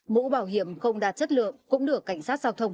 mũ bảo hiểm không đạt chất lượng cũng được cảnh sát giao thông